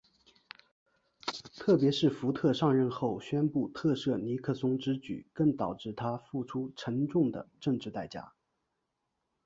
特别是福特上任后宣布特赦尼克松之举更导致他付出了沉重的政治代价。